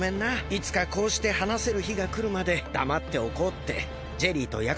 いつかこうしてはなせるひがくるまでだまっておこうってジェリーとやくそくしたんだ。